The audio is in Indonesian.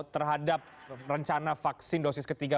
terhadap rencana vaksin dosis ketiga